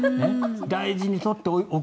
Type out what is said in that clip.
大事に取っておく。